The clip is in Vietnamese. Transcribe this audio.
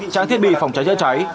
trang thiết bị phòng cháy cháy cháy